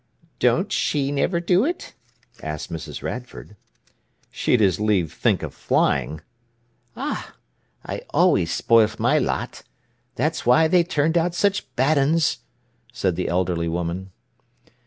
"Don't she never do it?" asked Mrs. Radford. "She'd as leave think of flying." "Ah, I always spoilt my lot! That's why they've turned out such bad uns," said the elderly woman.